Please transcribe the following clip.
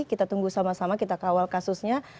kita tunggu sama sama kita ke awal kasusnya